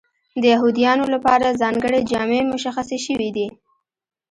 د یهودیانو لپاره ځانګړې جامې مشخصې شوې وې.